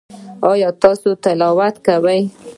ایا تاسو تلاوت کوئ؟